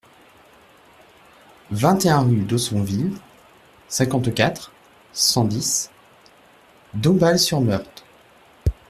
vingt et un rue d'Haussonville, cinquante-quatre, cent dix, Dombasle-sur-Meurthe